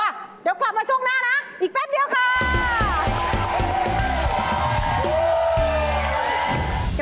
เดี๋ยวกลับมาช่วงหน้านะอีกแป๊บเดียวค่ะ